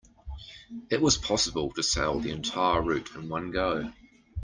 It was possible to sail the entire route in one go.